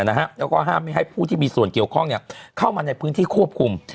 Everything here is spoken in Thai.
แล้วก็ห้ามไม่ให้ผู้ที่มีส่วนเกี่ยวข้องเข้ามาในพื้นที่ควบคุม